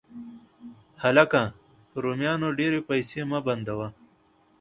هلکه! په رومیانو ډېرې پیسې مه بندوه